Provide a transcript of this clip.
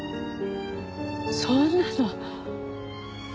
そんなの。